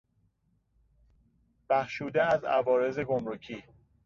بخشوده از عوارض گمرکی